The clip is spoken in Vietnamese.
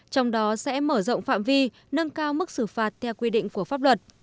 trong đó sẽ mở rộng phạm vi nâng cao mức xử phạt theo quy định của pháp luật